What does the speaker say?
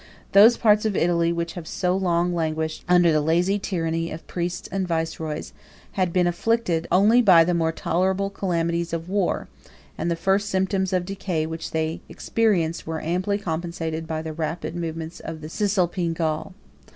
741 Those parts of Italy which have so long languished under the lazy tyranny of priests and viceroys, had been afflicted only by the more tolerable calamities of war; and the first symptoms of decay which they experienced, were amply compensated by the rapid improvements of the Cisalpine Gaul.